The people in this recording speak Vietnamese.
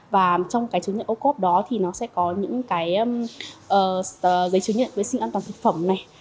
và trong cái chứng nhận ô cốp đó thì nó sẽ có những cái giấy chứng nhận vệ sinh an toàn thực phẩm này